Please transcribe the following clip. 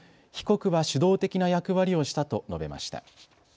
被告は主導的な役割をしたと述べました。